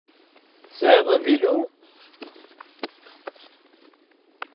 Tesɛiḍ avilu?